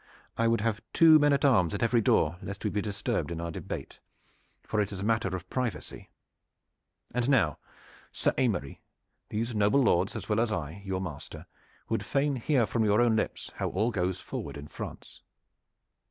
I would have two men at arms at every door lest we be disturbed in our debate, for it is a matter of privacy. And now, Sir Aymery, these noble lords as well as I, your master, would fain hear from your own lips how all goes forward in France."